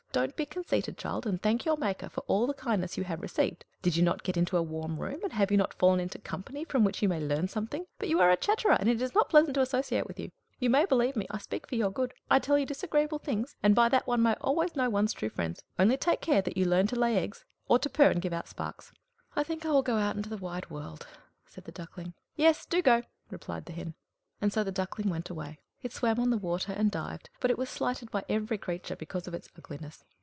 Don't be conceited, child, and thank your Maker for all the kindness you have received. Did you not get into a warm room, and have you not fallen into company from which you may learn something? But you are a chatterer, and it is not pleasant to associate with you. You may believe me, I speak for your good. I tell you disagreeable things, and by that one may always know one's true friends! Only take care that you learn to lay eggs, or to purr, and give out sparks!" "I think I will go out into the wide world," said the Duckling. "Yes, do go," replied the Hen. And so the Duckling went away. It swam on the water, and dived, but it was slighted by every creature because of its ugliness.